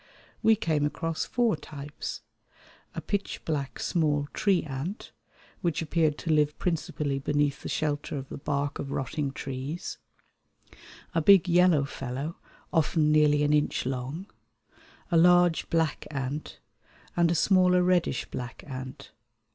We came across four types, a pitch black small tree ant, which appeared to live principally beneath the shelter of the bark of rotting trees; a big yellow fellow often nearly an inch long, a large black ant, and a smaller reddish black ant.